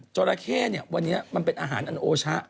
ราเข้เนี่ยวันนี้มันเป็นอาหารอันโอชะ